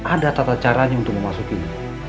ada tata caranya untuk memasukin